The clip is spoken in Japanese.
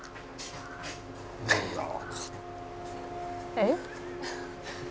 「えっ？」